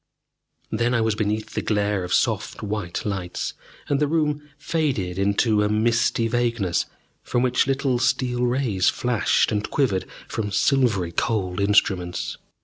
Then I was beneath the glare of soft white lights, and the room faded into a misty vagueness from which little steel rays flashed and quivered from silvery cold instruments.